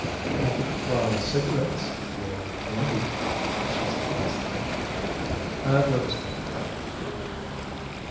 "You could try cigarettes or candy," she suggested. "I'd rather smoke a pipe."